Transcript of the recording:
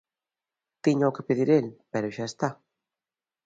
Tíñao que pedir el, pero xa está.